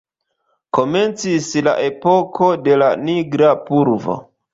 Komencis la epoko de la nigra pulvo.